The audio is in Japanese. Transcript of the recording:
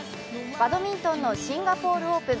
バドミントンのシンガポールオープン。